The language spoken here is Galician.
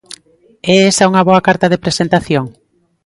É esa unha boa carta de presentación?